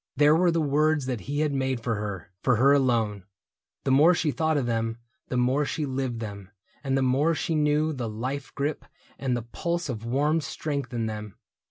There were the words that he had made for her, For her alone. The more she thought of them The more she lived them, and the more she knew The life grip and the pulse of warm strength in them.